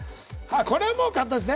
これはもう簡単ですね。